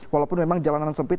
walaupun memang jalanan sempit